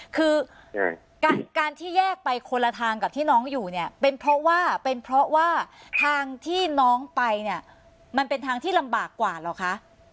คือการที่แยกไปคนละทางกับที่น้องอยู่เนี่ยเป็นเพราะว่าเป็นเพราะว่าทางที่น้องไปเนี่ยมันเป็นทางที่ลำบากกว่าเหรอคะ